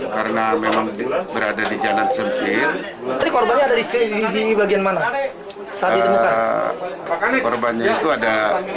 korbannya itu ada di buah kamar ya